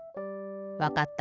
わかった。